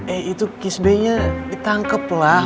eh itu kisbay nya ditangkep lah